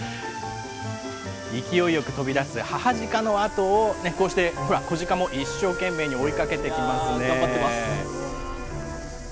勢いよく飛び出す母鹿のあとを、こうして、子鹿も一生懸命追頑張ってます。